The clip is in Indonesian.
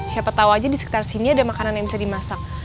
siapa tahu aja di sekitar sini ada makanan yang bisa dimasak